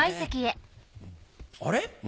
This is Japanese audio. あれ？